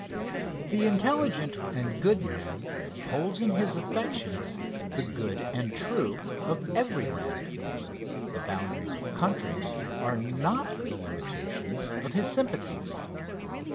The intelligent and good man holds in his affections the good and true of every land the boundaries of countries are not the limitations of his sympathies.